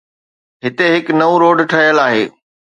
هتي هڪ نئون روڊ ٺهيل آهي.